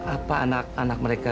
apa anak anak mereka